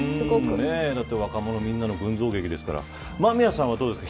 だって若者みんなの群像劇ですから間宮さんはどうですか。